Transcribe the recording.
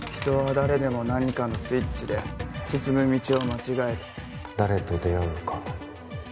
人は誰でも何かのスイッチで進む道を間違える誰と出会うのか